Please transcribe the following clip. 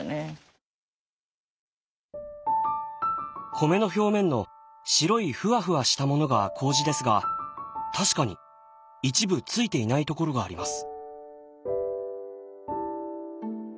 米の表面の白いふわふわしたものが麹ですが確かに一部ついていない所があります。